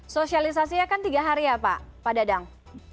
sosialisasi ya kan tiga hari ya pak dadang